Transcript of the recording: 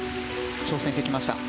挑戦してきました。